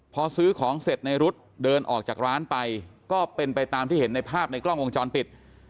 พอซื้อของเสร็จในรุ๊ดเดินออกจากร้านไปก็เป็นไปตามที่เห็นในภาพในกล้องวงจรปิด